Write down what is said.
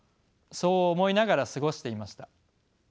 そう思いながら過ごしていました。